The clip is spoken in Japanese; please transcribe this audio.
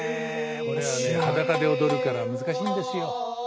これはね裸で踊るから難しいんですよ。